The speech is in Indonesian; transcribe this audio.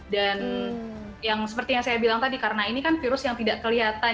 dan yang seperti yang saya bilang tadi karena ini kan virus yang tidak kelihatan